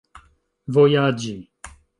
vojaĝi